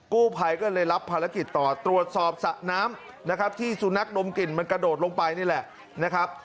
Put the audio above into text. กู้ภัยก็เลยรับภารกิจต่อตรวจสอบสระน้ำนะครับที่สุนัขดมกลิ่นมันกระโดดลงไปนี่แหละนะครับ